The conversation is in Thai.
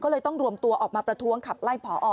ก็เลยต้องรวมตัวออกมาประท้วงขับไล่พอ